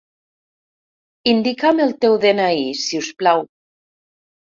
Indica'm el teu de-ena-i, si us plau.